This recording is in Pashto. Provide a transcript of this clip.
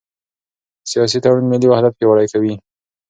سیاسي تړونونه ملي وحدت پیاوړی کوي